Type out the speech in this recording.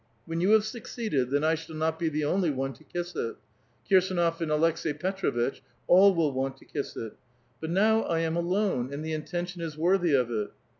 ^'AVhen you have succeeded, then I shall not be the onlj' one to kiss it : Kirsdnof and Aleks^i Petrovitch, all will want to kiss it. But now I am alone ; and the intention is worthy of it."